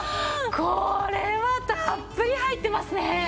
これはたっぷり入ってますね！